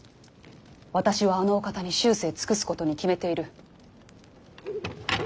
私はあのお方に終生尽くすことに決めている。